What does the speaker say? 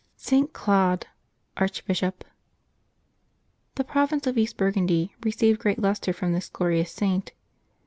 ST. CLAUDE, Archbishop. ^^HE province of Eastern Burgundy received great lustre ^J from this glorious Saint.